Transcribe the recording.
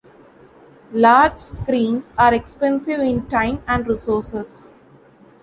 Large screens are expensive in time and resources.